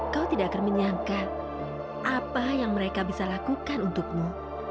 kau tidak akan menyangka apa yang mereka bisa lakukan untukmu